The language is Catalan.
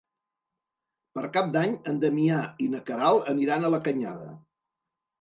Per Cap d'Any en Damià i na Queralt aniran a la Canyada.